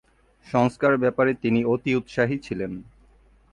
সংস্কারের ব্যাপারে তিনি অতি উৎসাহী ছিলেন।